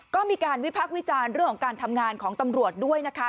ก็มีการวิพักษ์วิจารณ์เรื่องของการทำงานของตำรวจด้วยนะคะ